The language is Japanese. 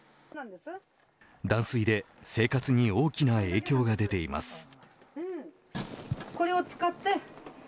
断水で生活に大きな影響が出ています。